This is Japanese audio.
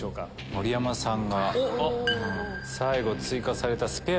盛山さん